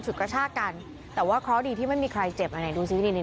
กระชากกันแต่ว่าเคราะห์ดีที่ไม่มีใครเจ็บอันไหนดูสินี่นี่